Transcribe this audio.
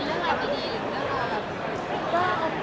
หลังจากดีหรือแล้วกันเลย